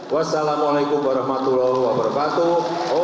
wassalamu'alaikum warahmatullahi wabarakatuh